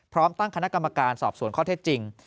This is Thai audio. พร้อมตั้งคณะกรรมการสอบสวนข้อเท็จจริง